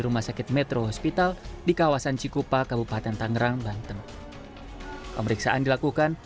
rumah sakit metro hospital di kawasan cikupa kabupaten tangerang banten pemeriksaan dilakukan